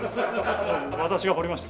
私が掘りました。